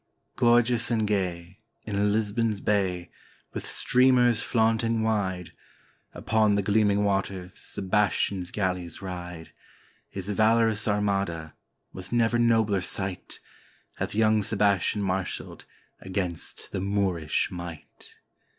Gorgeous and gay, in Lisbon's Bay, with streamers flaunting wide, Upon the gleaming waters Sebastian's galleys ride, His valorous armada (was never nobler sight) Hath young Sebastian marshaled against the Moorish might.